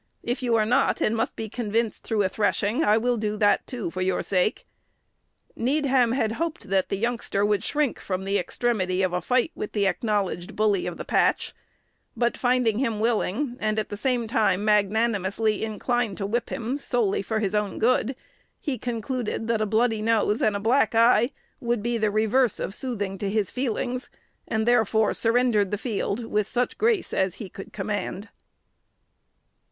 If you are not, and must be convinced through a threshing, I will do that, too, for your sake." Needham had hoped that the youngster would shrink from the extremity of a fight with the acknowledged "bully of the patch;" but finding him willing, and at the same time magnanimously inclined to whip him solely for his own good, he concluded that a bloody nose and a black eye would be the reverse of soothing to his feelings, and therefore surrendered the field with such grace as he could command.